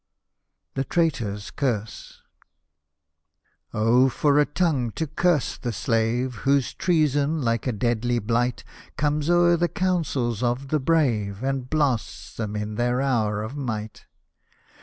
THE TRAITOR'S CURSE Oh for a tongue to curse the slave. Whose treason, like a deadly blight, Comes o'er the councils of the brave, And blasts them in their hour of might